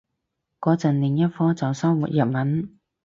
個陣另一科就修日文